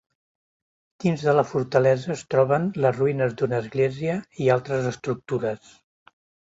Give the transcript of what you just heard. Dins de la fortalesa es troben les ruïnes d'una església i altres estructures.